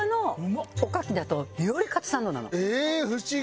ええ不思議！